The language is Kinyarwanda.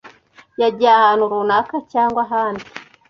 Yagiye ahantu runaka cyangwa ahandi.